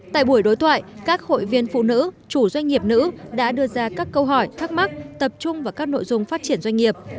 tại buổi đối thoại các hội viên phụ nữ chủ doanh nghiệp nữ đã đưa ra các câu hỏi thắc mắc tập trung vào các nội dung phát triển doanh nghiệp